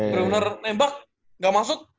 bener bener nembak gak masuk